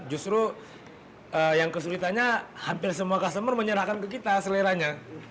justru yang kesulitannya hampir semua customer menyerahkan ke kita seleranya